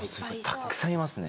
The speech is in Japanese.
たくさんいますね。